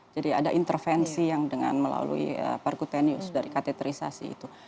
jadi ada intervensi yang melalui percutaneous dari katheterisasi itu